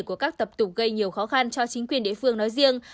của các tập tục gây nhiều khó khăn cho chính quyền địa phương nói riêng